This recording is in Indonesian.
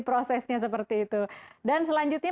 prosesnya seperti itu dan selanjutnya